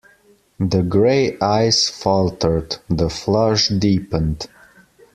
The gray eyes faltered; the flush deepened.